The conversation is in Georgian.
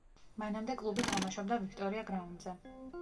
მანამდე კლუბი თამაშობდა „ვიქტორია გრაუნდზე“.